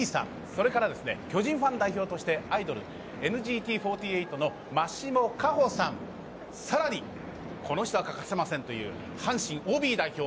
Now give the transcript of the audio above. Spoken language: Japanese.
それから巨人ファン代表としてアイドルＮＧＴ４８の真下華穂さん、さらにこの人は欠かせませんという、阪神ＯＢ代表